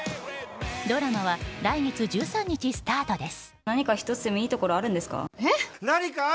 ドラマは来月１３日スタートです。